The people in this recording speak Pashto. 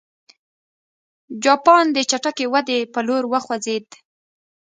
جاپان د چټکې ودې په لور وخوځېد.